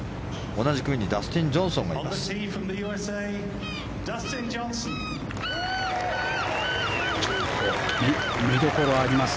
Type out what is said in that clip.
同じ組にダスティン・ジョンソンがいます。